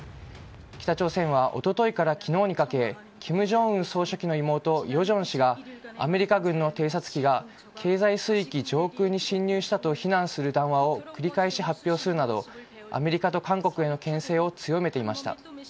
北朝鮮はおとといから昨日にかけ金正恩総書記の妹・ヨジョン氏がアメリカ軍の偵察機が経済水域上空に侵入したと非難する談話を繰り返し発表するなどアメリカと韓国へのけん制を強めていました。